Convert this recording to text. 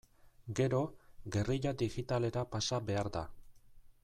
Gero, gerrilla digitalera pasa behar da.